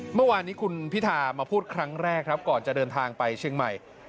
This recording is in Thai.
เมื่อวานนี้คุณพิธามาพูดครั้งแรกครับก่อนจะเดินทางไปเชียงใหม่